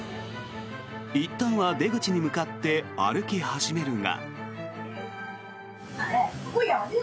いったんは出口に向かって歩き始めるが。